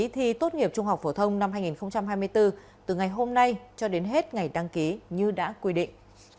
thì tốt nghiệp trung học phổ thông năm hai nghìn hai mươi bốn từ ngày hôm nay cho đến hết ngày đăng ký như đã quy định